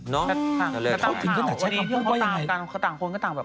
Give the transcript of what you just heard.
กระเทาวันนี้ที่เขาตามต่างคนก็ต่างแบบ